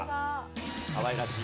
かわいらしい。